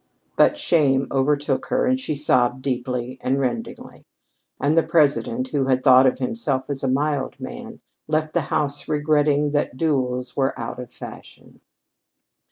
But shame overtook her and she sobbed deeply and rendingly. And the President, who had thought of himself as a mild man, left the house regretting that duels were out of fashion.